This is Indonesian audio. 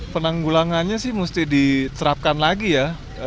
penanggulangannya sih mesti diterapkan lagi ya